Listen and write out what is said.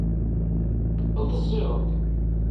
Ḍṣiɣd.